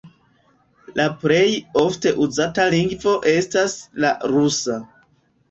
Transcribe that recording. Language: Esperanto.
La plej ofte uzata lingvo estas la rusa.